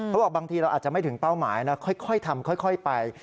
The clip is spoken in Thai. บางทีเราอาจจะไม่ถึงเป้าหมายนะค่อยทำค่อยไป